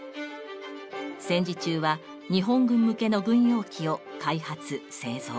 戦時中は日本軍向けの軍用機を開発・製造。